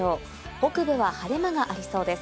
北部は晴れ間がありそうです。